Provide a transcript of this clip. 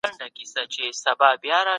هغه ماشوم چي لوستل کوي پوهېږي.